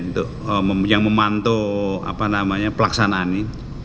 untuk yang memantau pelaksanaan ini